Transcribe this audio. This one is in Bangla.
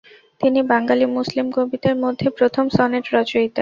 তিনি বাঙালি মুসলিম কবিদের মধ্যে প্রথম সনেট রচয়িতা।